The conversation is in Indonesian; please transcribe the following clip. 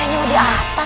kayaknya di atas ya pak